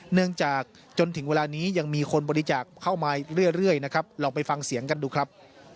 จนถึงเวลานี้ยังมีคนบริจาคเข้ามาเรื่อยนะครับลองไปฟังเสียงกันดูครับ